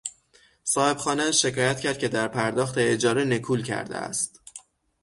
صاحب خانهاش شکایت کرد که در پرداخت اجاره نکول کرده است.